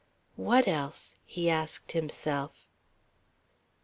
"What else?" he asked himself.